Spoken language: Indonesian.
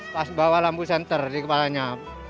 pas bawa lampu senter di kepalanya